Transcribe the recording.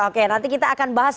oke nanti kita akan bahas